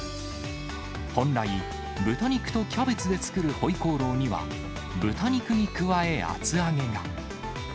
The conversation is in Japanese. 本来、豚肉とキャベツで作る回鍋肉には、豚肉に加え厚揚げが。